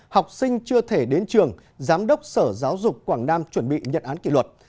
học sinh chưa thể đến trường giám đốc sở giáo dục quảng nam chuẩn bị nhận án kỷ luật